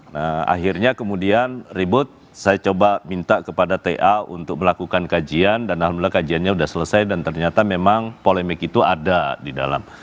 nah akhirnya kemudian ribut saya coba minta kepada ta untuk melakukan kajian dan alhamdulillah kajiannya sudah selesai dan ternyata memang polemik itu ada di dalam